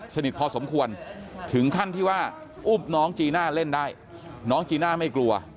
สนิทพอสมควรถึงขั้นที่ว่าอุ้มน้องจีน่าเล่นได้น้องจีน่าไม่กลัว